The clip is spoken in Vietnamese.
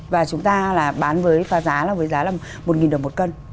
và chúng ta bán với giá một đồng một cân